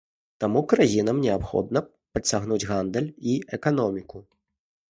Таму краінам неабходна падцягнуць гандаль і эканоміку.